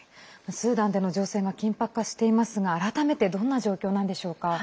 スーダンでの情勢が緊迫化していますが改めてどんな状況なんでしょうか。